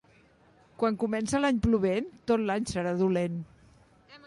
Quan comença l'any plovent, tot l'any serà dolent.